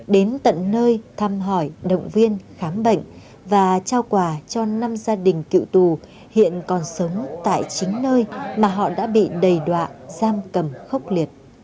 đến tận nơi thăm hỏi động viên khám bệnh và trao quà cho năm gia đình cựu tù hiện còn sống tại chính nơi mà họ đã bị đầy đoạ giam cầm khốc liệt